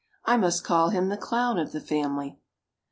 I must call him the clown of the family!